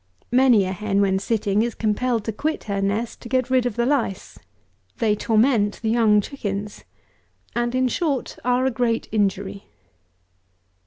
Many a hen, when sitting, is compelled to quit her nest to get rid of the lice. They torment the young chickens. And, in short, are a great injury.